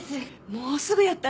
もうすぐやったら。